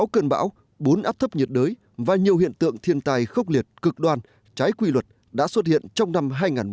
một mươi sáu cơn bão bốn áp thấp nhiệt đới và nhiều hiện tượng thiên tài khốc liệt cực đoan trái quy luật đã xuất hiện trong năm hai nghìn một mươi bảy